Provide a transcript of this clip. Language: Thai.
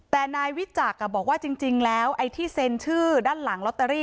แต่นายวิจักรบอกว่าจริงแล้วไอ้ที่เซ็นชื่อด้านหลังลอตเตอรี่